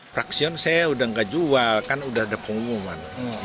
fraksion saya sudah tidak jual kan sudah ada pengumuman